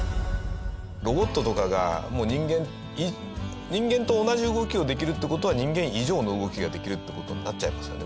ロボットとかが人間と同じ動きをできるっていう事は人間以上の動きができるっていう事になっちゃいますよね。